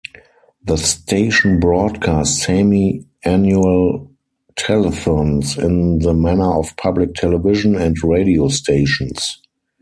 The station broadcast semi-annual telethons, in the manner of public television and radio stations.